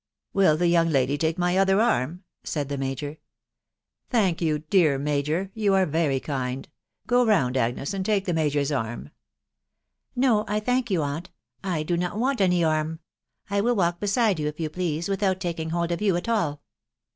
"Will the young lady take my other arm?" said the major. " Thank you, dear major !.... You are very kind. Go round, Agnes, and take the major's arm." (e No, I thank you, aunt ; I do not want any arm. I will walk beside you, if you please, without taking hold of you at all."